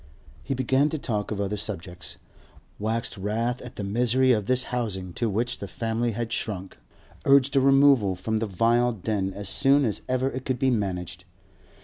He began to talk of other subjects; waxed wrath at the misery of this housing to which the family had shrunk; urged a removal from the vile den as soon as ever it could be managed.